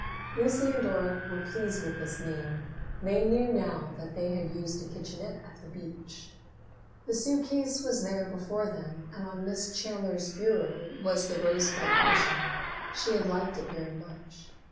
Lucy and Dora were pleased with this name. They knew now that they had used a kitchenette at the beach. The suit case was there before them and on Miss Chandler's bureau was the rosebud cushion. She had liked it very much.